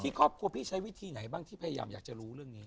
ครอบครัวพี่ใช้วิธีไหนบ้างที่พยายามอยากจะรู้เรื่องนี้